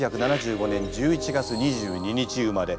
１９７５年１１月２２日生まれ。